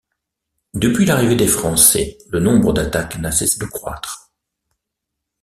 Depuis l'arrivée des Français, le nombre d'attaques n'a cessé de croître.